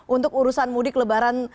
untuk urusan mudik lebaran dan perusahaan